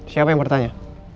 siapa yang bertanya